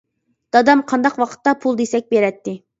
دادام قانداق ۋاقىتتا پۇل دېسەك بېرەتتى.